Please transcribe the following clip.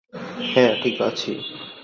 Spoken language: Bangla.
হ্যাঁ, ঠিক আছি।